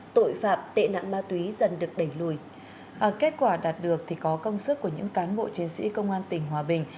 tội phạm tệ nạn ma túy dần được đẩy lùi kết quả đạt được thì có công sức của những cán bộ chiến sĩ công an tỉnh hòa bình